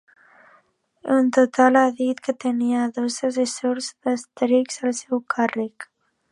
En total, ha dit que tenia a dos assessors adscrits al seu càrrec.